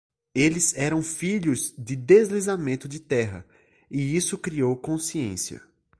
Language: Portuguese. Eles eram filhos de deslizamento de terra, e isso criou consciência.